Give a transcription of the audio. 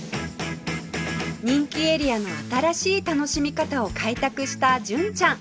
人気エリアの新しい楽しみ方を開拓した純ちゃん